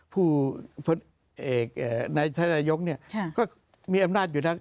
ผู้เอกอ่านายธรรยงเนี่ยค่ะก็มีอำนาจอยู่แล้ว